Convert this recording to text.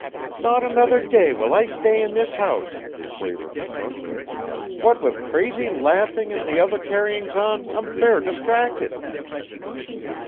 "Not another day will I stay in this house," quavered the cook. "What with crazy laughing and the other carryings on, I'm fair distracted."